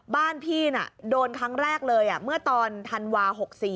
บ้านพี่น่ะโดนครั้งแรกเลยเมื่อตอนธันวา๖๔